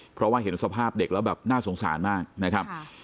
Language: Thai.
เพราะว่าเห็นสภาพเด็กแล้วแบบน่าสงสารมากนะครับ